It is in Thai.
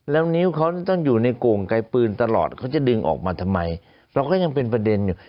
แล้วนิ้วเขาต้องอยู่ในโก่งไกลปืนตลอดเขาจะดึงออกมาทำไมเราก็ยังเป็นประเด็นอยู่